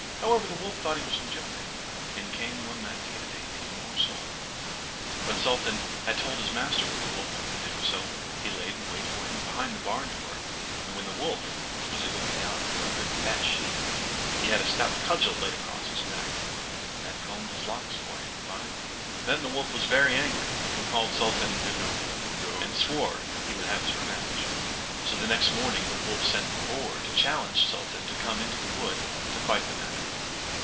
However, the wolf thought he was in joke, and came one night to get a dainty morsel. But Sultan had told his master what the wolf meant to do; so he laid wait for him behind the barn door, and when the wolf was busy looking out for a good fat sheep, he had a stout cudgel laid about his back, that combed his locks for him finely. Then the wolf was very angry, and called Sultan 'an old rogue,' and swore he would have his revenge. So the next morning the wolf sent the boar to challenge Sultan to come into the wood to fight the matter.